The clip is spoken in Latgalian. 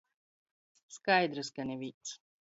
Skaidrys, ka nivīns.